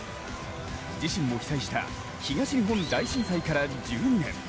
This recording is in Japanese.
自身も被災した東日本大震災から１２年。